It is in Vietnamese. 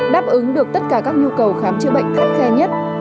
đáp ứng được tất cả các nhu cầu khám chữa bệnh khắt khe nhất